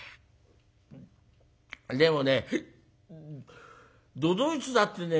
でもね都々逸だってね